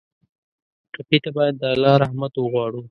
ټپي ته باید د الله رحمت وغواړو.